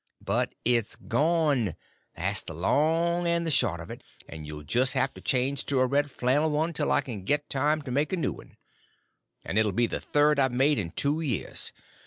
But it's gone, that's the long and the short of it, and you'll just have to change to a red flann'l one till I can get time to make a new one. And it 'll be the third I've made in two years.